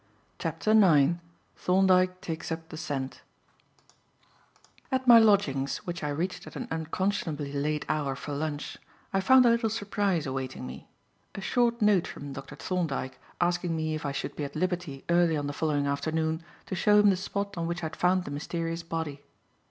CHAPTER IX THORNDYKE TAKES UP THE SCENT AT my lodgings, which I reached at an unconscionably late hour for lunch, I found a little surprise awaiting me; a short note from Dr. Thorndyke asking me if I should be at liberty early on the following afternoon to show him the spot on which I had found the mysterious body.